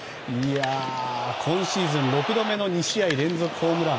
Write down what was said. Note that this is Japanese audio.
今シーズン６度目の２試合連続ホームラン。